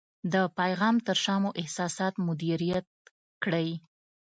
د پیغام تر شا مو احساسات مدیریت کړئ.